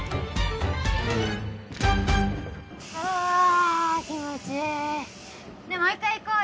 あ気持ちいいねぇもう１回行こうよ。